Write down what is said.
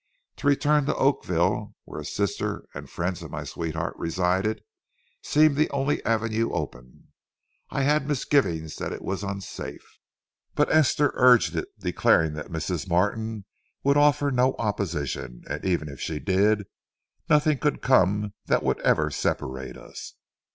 To return to Oakville, where a sister and friends of my sweetheart resided, seemed the only avenue open. I had misgivings that it was unsafe, but Esther urged it, declaring that Mrs. Martin would offer no opposition, and even if she did, nothing now could come that would ever separate us.